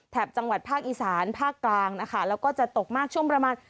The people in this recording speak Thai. จังหวัดภาคอีสานภาคกลางนะคะแล้วก็จะตกมากช่วงประมาณ